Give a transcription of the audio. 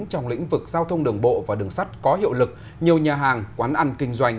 trong lĩnh vực giao thông đường bộ và đường sắt có hiệu lực nhiều nhà hàng quán ăn kinh doanh